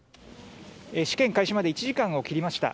試験開始まで１時間を切りました。